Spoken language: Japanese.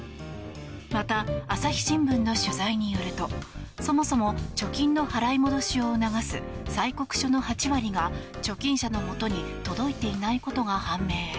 また、朝日新聞の取材によるとそもそも貯金の払い戻しを促す催告書の８割が貯金者のもとに届いていないことが判明。